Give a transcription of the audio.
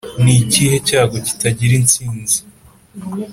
nikihe cyago kitagira insinzi?"